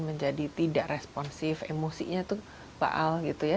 menjadi tidak responsif emosinya itu baal gitu ya